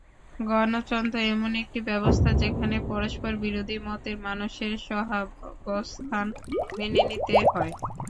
গণতন্ত্র এমন একটি ব্যবস্থা, যেখানে পরস্পরবিরোধী মতের মানুষের সহাবস্থান মেনে নিতে হয়।